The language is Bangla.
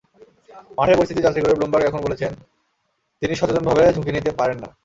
মাঠের পরিস্থিতি যাচাই করে ব্লুমবার্গ এখন বলছেন, তিনি সচেতনভাবে ঝুঁকি নিতে পারেন না।